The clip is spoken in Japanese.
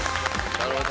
なるほど。